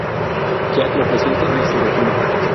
Jack lo presiente y se defiende.